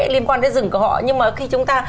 liên quan đến rừng của họ nhưng mà khi chúng ta